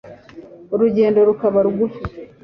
urugendo rukaba rugufi